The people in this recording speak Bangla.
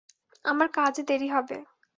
আমার কাজে দেরি হবে।